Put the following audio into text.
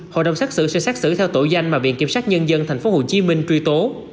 hội đồng xét xử sẽ xác xử theo tội danh mà viện kiểm sát nhân dân tp hcm truy tố